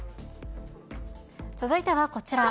続いてはこちら。